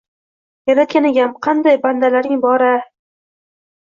Yaratgan egam, qanday bandalaring bor-a